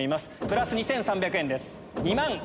プラス２３００円です。